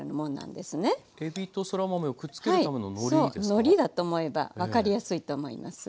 のりだと思えば分かりやすいと思います。